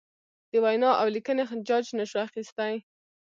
د وینا اولیکنې جاج نشو اخستی.